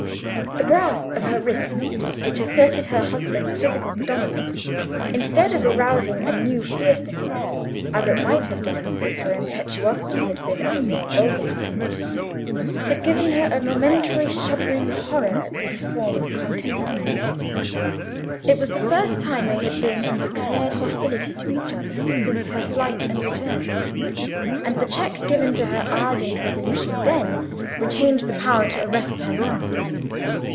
The grasp of her wrists, which asserted her husband's physical predominance, instead of arousing a new fierceness in her, as it might have done if her impetuosity had been of a more vulgar kind, had given her a momentary shuddering horror at this form of contest with him. It was the first time they had been in declared hostility to each other since her flight and return, and the check given to her ardent resolution then, retained the power to arrest her now.